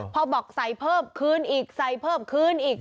พอบอกใส่เพิ่มคืนอีกใส่เพิ่มคืนอีก